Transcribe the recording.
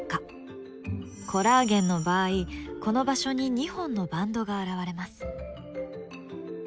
コラーゲンの場合この場所に２本のバンドが現れます。